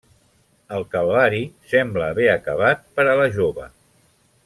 El calvari sembla haver acabat per a la jove.